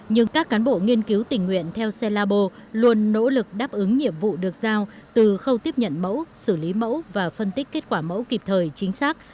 nhưng các cán bộ nghiên cứu tình nguyện theo xe labo luôn nỗ lực đáp ứng nhiệm vụ được giao từ khâu tiếp nhận mẫu xử lý mẫu và phân tích kết quả mẫu kịp thời chính xác